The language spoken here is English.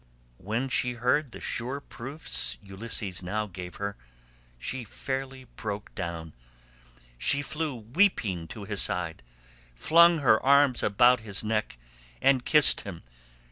When she heard the sure proofs Ulysses now gave her, she fairly broke down. She flew weeping to his side, flung her arms about his neck, and kissed him.